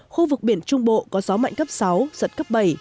khu vực biển trung bộ có gió mạnh cấp sáu giật cấp bảy